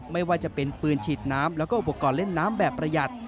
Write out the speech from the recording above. ไม่ว่าจะเป็นปืนฉีดน้ำแล้วก็อุปกรณ์เล่นน้ำแบบประหยัด